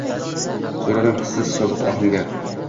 so`radim hissiz, sovuq ohangda